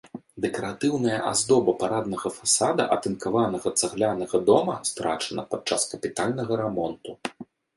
Дэкаратыўная аздоба параднага фасада атынкаванага цаглянага дома страчана падчас капітальнага рамонту.